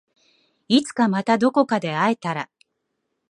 いつかまたどこかで会えたら